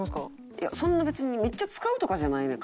いやそんな別にめっちゃ使うとかじゃないねん。